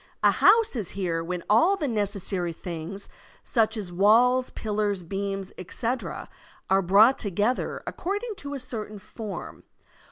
A house is here when all the necessary things, ^ch as Walls, pillars, beams, etc., are brought together according to a Certain form.